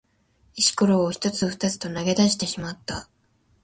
石ころを一つ二つと投げ出してしまった。